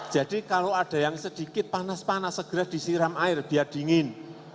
jadi kalau ada yang sedikit panas panas segera disiram air biar dingin